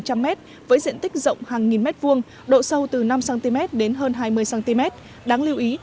trăm mét với diện tích rộng hàng nghìn mét vuông độ sâu từ năm cm đến hơn hai mươi cm đáng lưu ý